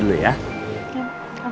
aku mau berangkat